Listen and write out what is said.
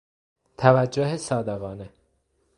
توجه صادقانه